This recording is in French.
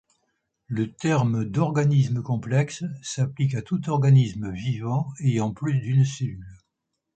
Le terme d'organisme complexe s'applique à tout organisme vivant ayant plus d'une cellule.